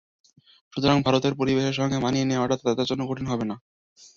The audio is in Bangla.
সুতরাং ভারতের পরিবেশের সঙ্গে মানিয়ে নেওয়াটা তাদের জন্য কঠিন হবে না।